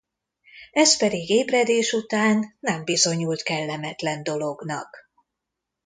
Ez pedig ébredés után nem bizonyult kellemetlen dolognak.